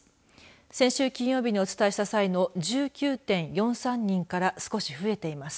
先週金曜日にお伝えした際の５３人からは減っています。